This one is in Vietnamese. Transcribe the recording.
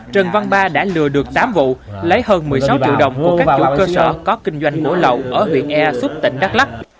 trần văn ba đã lừa được tám vụ lấy hơn một mươi sáu triệu đồng của các chủ cơ sở có kinh doanh mổ lậu ở huyện ea xuất tỉnh đắk lắc